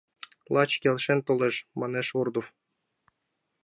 Лач келшен толеш! — манеш Ордов.